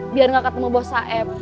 biar gak ketemu bos safe